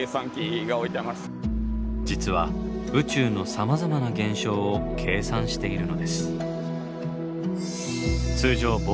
実は宇宙のさまざまな現象を計算しているのです。